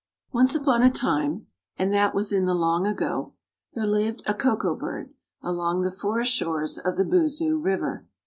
Once upon a time, and that was in the long ago, there lived a Koko bird along the forest shores of the Boozoo river.